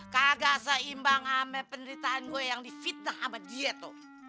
kagak seimbang ama penderitaan gue yang di fitnah sama dia tuh